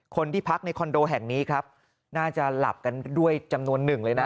คนที่พักในคอนโดแห่งนี้ครับน่าจะหลับกันด้วยจำนวนหนึ่งเลยนะ